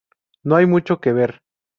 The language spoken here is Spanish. No hay mucho que ver.